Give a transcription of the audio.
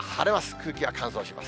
空気は乾燥します。